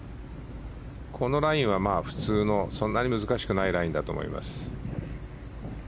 このラインは普通のそんなに難しくないラインだと思います。